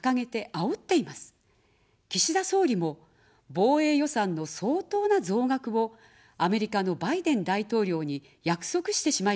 岸田総理も防衛予算の相当な増額をアメリカのバイデン大統領に約束してしまいました。